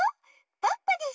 ポッポです。